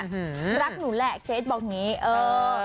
รักหนูแหละเจ๊บอกอย่างงี้